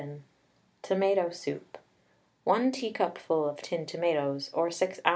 TOMATO SOUP. 1 teacupful of tinned tomatoes, or 6 oz.